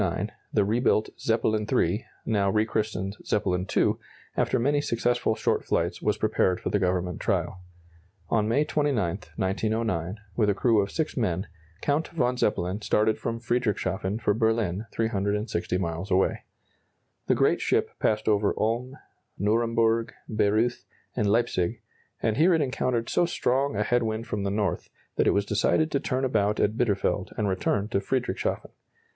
] In May, 1909, the rebuilt "Zeppelin III," now rechristened "Zeppelin II," after many successful short flights was prepared for the Government trial. On May 29, 1909, with a crew of six men, Count von Zeppelin started from Friedrichshafen for Berlin, 360 miles away. The great ship passed over Ulm, Nuremburg, Bayreuth, and Leipzig; and here it encountered so strong a head wind from the north, that it was decided to turn about at Bitterfeld and return to Friedrichshafen.